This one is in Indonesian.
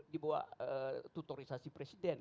di bawah tutorisasi presiden